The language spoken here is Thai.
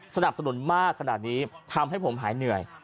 สนับสนุนมากขนาดนี้ทำให้ผมหายเหนื่อย